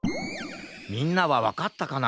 みんなはわかったかな？